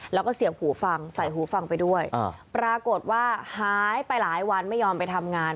แล้วก็เสียงหูฟังใส่หูฟังไปด้วยปรากฏว่าหายไปหลายวันไม่ยอมไปทำงาน